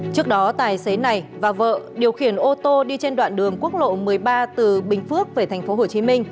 trước đó tài xế này và vợ điều khiển ô tô đi trên đoạn đường quốc lộ một mươi ba từ bình phước về tp hcm